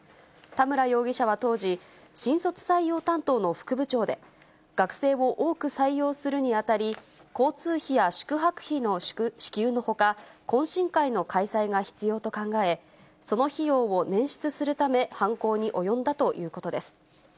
田村容疑者は当時、新卒採用担当の副部長で、学生を多く採用するにあたり、交通費や宿泊費の支給のほか、懇親会の開催が必要と考え、その費用をねん出するため、犯行に及んだということです。